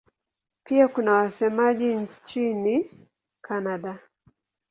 Pia kuna wasemaji nchini Kanada.